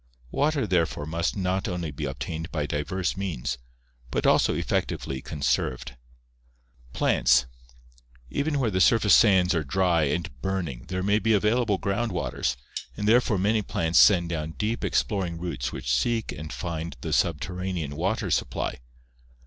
Water therefore must not only be obtained by diverse means, but also effectively con served. Plants. — Even where the surface sands are dry and burning there may be available ground waters, therefore many plants send down deep exploring roots which seek and find the subter ranean water supply.